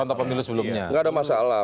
contoh pemilu sebelumnya tidak ada masalah